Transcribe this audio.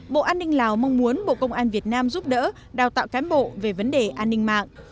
bộ an ninh lào mong muốn bộ công an việt nam giúp đỡ đào tạo cán bộ về vấn đề an ninh mạng